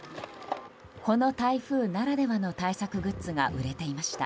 この台風ならではの対策グッズが売れていました。